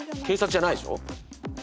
警察じゃないでしょ。